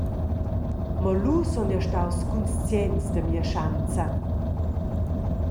Mo lu sun jeu staus cunscients da mia schanza.